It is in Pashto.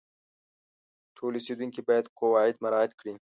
ټول اوسیدونکي باید قواعد مراعات کړي.